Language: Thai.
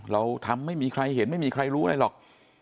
เราทำไม่มีใครเห็นไม่มีใครรู้อะไรหรอก